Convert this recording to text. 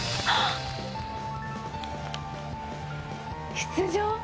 出場？